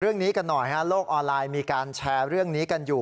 เรื่องนี้กันหน่อยฮะโลกออนไลน์มีการแชร์เรื่องนี้กันอยู่